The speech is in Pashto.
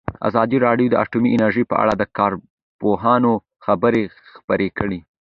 ازادي راډیو د اټومي انرژي په اړه د کارپوهانو خبرې خپرې کړي.